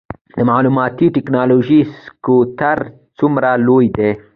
د معلوماتي ټیکنالوژۍ سکتور څومره لوی دی؟